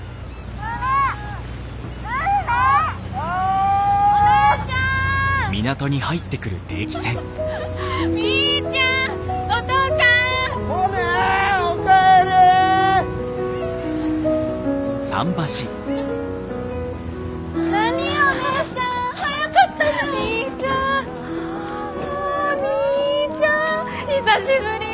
あみーちゃん久しぶり！